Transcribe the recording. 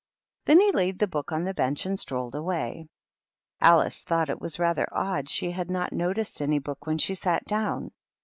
Then he laid the book on the bench and strolled away. Alice thought it was rather odd she had not noticed any book when she sat down.